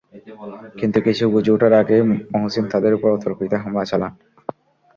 কিন্তু কিছু বুঝে ওঠার আগেই মহোসিন তাঁদের ওপর অতর্কিত হামলা চালান।